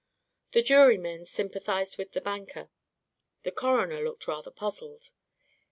The jurymen sympathized with the banker. The coroner looked rather puzzled.